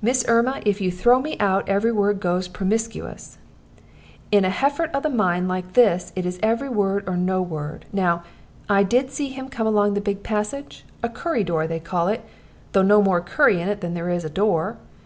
"Miss Erma, if you throw me out, every word goes promiscuous. In a heffort of the mind like this it is every word, or no word. Now, did I see him come along the big passage? a 'currydoor' they call it now, though no more curry in it than there is door.